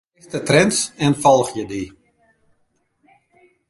Ik ha each foar de nijste trends en folgje dy.